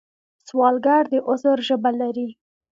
سوالګر د عذر ژبه لري